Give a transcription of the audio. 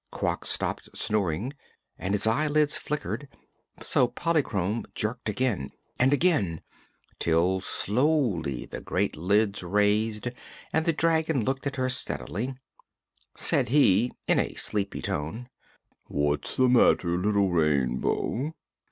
Quox stopped snoring and his eyelids flickered. So Polychrome jerked again and again till slowly the great lids raised and the dragon looked at her steadily. Said he, in a sleepy tone: "What's the matter, little Rainbow?"